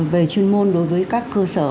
về chuyên môn đối với các cơ sở